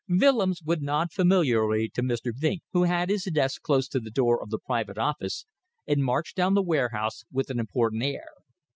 Willems would nod familiarly to Mr. Vinck, who had his desk close to the little door of the private office, and march down the warehouse with an important air.